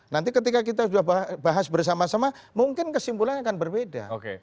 nanti ketika kita sudah bahas bersama sama mungkin kesimpulannya akan berbeda